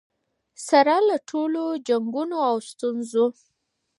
سره له ټولو جنګونو او ستونزو.